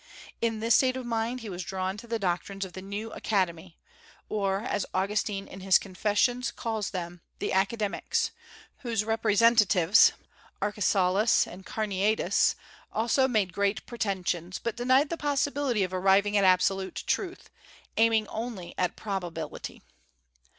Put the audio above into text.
In this state of mind he was drawn to the doctrines of the New Academy, or, as Augustine in his "Confessions" calls them, the Academics, whose representatives, Arcesilaus and Carneades, also made great pretensions, but denied the possibility of arriving at absolute truth, aiming only at probability.